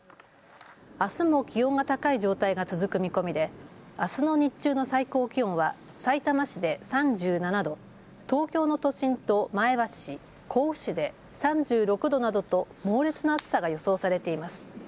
あすも気温が高い状態が続く見込みであすの日中の最高気温はさいたま市で３７度、東京の都心と前橋市、甲府市で３６度などと猛烈な暑さが予想されています。